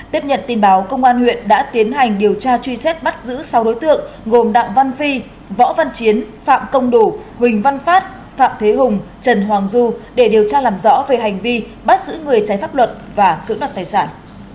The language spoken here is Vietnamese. tiếp nhận tin báo công an huyện đã tiến hành điều tra truy xét bắt giữ sáu đối tượng gồm đặng văn phi võ văn chiến phạm công đủ huỳnh văn phát phạm thế hùng trần hoàng du để điều tra làm rõ về hành vi bắt giữ người trái pháp luật và cưỡng đoạt tài sản